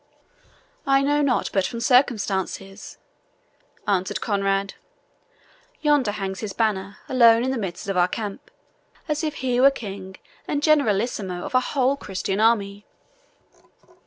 "I know not but from circumstances," answered Conrade. "Yonder hangs his banner alone in the midst of our camp, as if he were king and generalissimo of our whole Christian army."